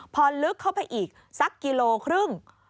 พอลึกเข้าไปอีกสักกิโลครึ่ง